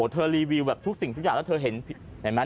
รีวิวแบบทุกสิ่งทุกอย่างแล้วเธอเห็นเห็นไหม